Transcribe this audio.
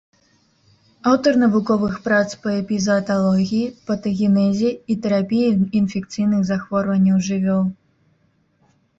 Аўтар навуковых прац па эпізааталогіі, патагенезе і тэрапіі інфекцыйных захворванняў жывёл.